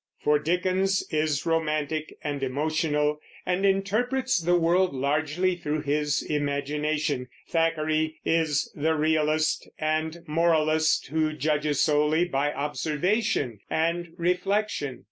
For Dickens is romantic and emotional, and interprets the world largely through his imagination; Thackeray is the realist and moralist, who judges solely by observation and reflection.